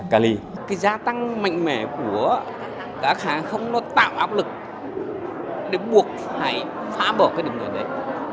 các hãng hàng không đã tăng mạnh mẽ của các hãng hàng không nó tạo áp lực để buộc phải phá bỏ cái đường đường đấy